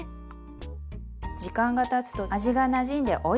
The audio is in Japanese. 時間がたつと味がなじんでおいしくなります。